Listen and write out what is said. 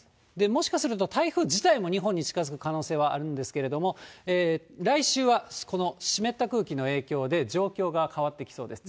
もしかすると台風自体も日本に近づく可能性はあるんですけれども、来週はこの湿った空気の影響で、状況が変わってきそうです。